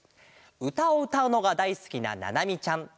うたをうたうのがだいすきなななみちゃん。